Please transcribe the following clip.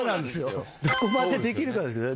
どこまでできるかですよね。